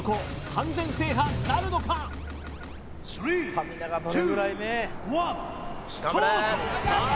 完全制覇なるのかさあ